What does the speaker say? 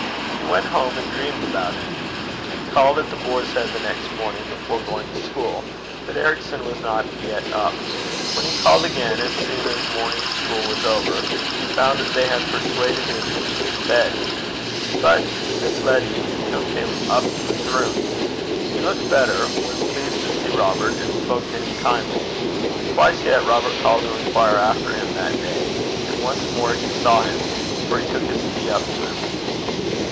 He went home and dreamed about him. He called at The Boar's Head the next morning before going to school, but Ericson was not yet up. When he called again as soon as morning school was over, he found that they had persuaded him to keep his bed, but Miss Letty took him up to his room. He looked better, was pleased to see Robert, and spoke to him kindly. Twice yet Robert called to inquire after him that day, and once more he saw him, for he took his tea up to him.